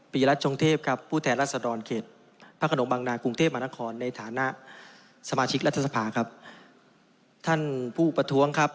ปริรัตน์จงเทพครับ